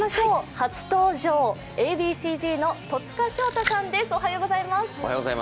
初登場、Ａ．Ｂ．Ｃ−Ｚの戸塚祥太さんです。